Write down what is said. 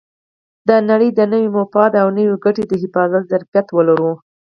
د نړۍ د نوي مفاد او نوې ګټې د حفاظت ظرفیت ولرو.